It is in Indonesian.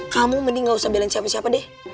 kamu mending gak usah belain siapa siapa deh